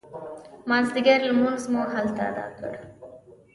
مازدیګر لمونځ مو هلته اداء کړ.